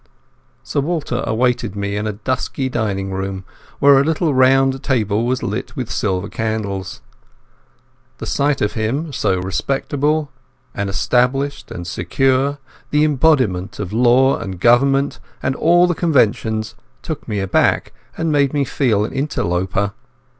Sir Walter awaited me in a dusky dining room where a little round table was lit with silver candles. The sight of him—so respectable and established and secure, the embodiment of law and government and all the conventions—took me aback and made me feel an interloper.